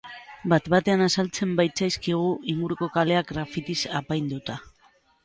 Bat-batean azaltzen baitzaizkigu inguruko kaleak graffitiz apainduta.